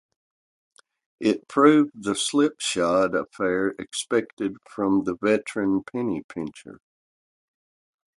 It proved the slipshod affair expected from the veteran penny pincher.